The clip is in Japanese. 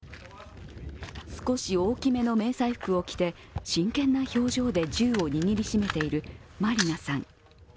少し大きめの迷彩服を着て真剣な表情で銃を握り締めているマリナさん。